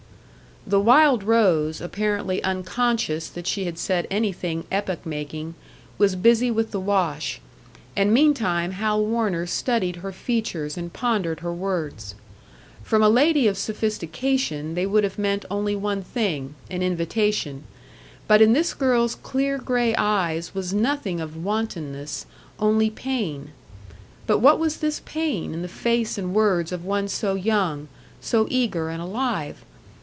The wild rose, apparently unconscious that she had said anything epoch making, was busy with the wash; and meantime Hal Warner studied her features and pondered her words. From a lady of sophistication they would have meant only one thing, an invitation; but in this girl's clear grey eyes was nothing of wantonness, only pain. But what was this pain in the face and words of one so young, so eager and alive?